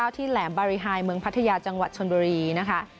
แหลมบาริหายเมืองพัทยาจังหวัดชนบุรีนะคะ